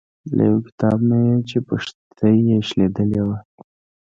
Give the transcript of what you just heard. له یو کتاب نه یې چې پښتۍ یې شلیدلې وه.